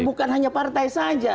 bukan hanya partai saja